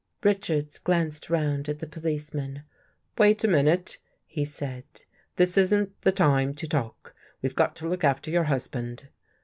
..." Richards glanced round at the policeman. " Wait a minute," he said. " This isn't the time to talk. We've got to look after your husband."